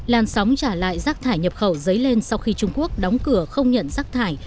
lan sóng trả lại rác thải nhập khẩu giấy lên sau khi trung quốc đóng cửa không nhận rác thải